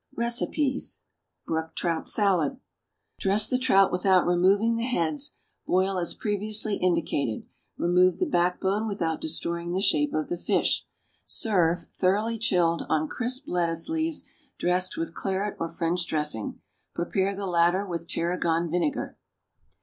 RECIPES. =Brook Trout Salad.= Dress the trout without removing the heads; boil as previously indicated. Remove the backbone without destroying the shape of the fish. Serve, thoroughly chilled, on crisp lettuce leaves dressed with claret or French dressing. Prepare the latter with tarragon vinegar.